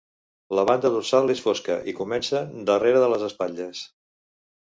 La banda dorsal és fosca i comença darrere de les espatlles.